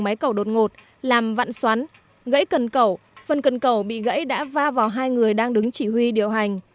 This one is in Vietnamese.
máy cầu đột ngột làm vặn xoắn gãy cần cầu phần cần cầu bị gãy đã va vào hai người đang đứng chỉ huy điều hành